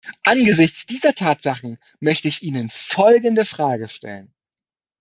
Angesichts dieser Tatsachen möchte ich Ihnen folgende Frage stellen.